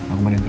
aku mandi dulu